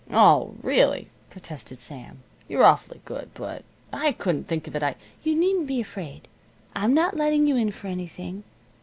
"Oh, really," protested Sam. "You're awfully good, but I couldn't think of it. I " "You needn't be afraid. I'm not letting you in for anything.